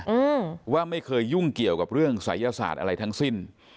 อืมว่าไม่เคยยุ่งเกี่ยวกับเรื่องศัยศาสตร์อะไรทั้งสิ้น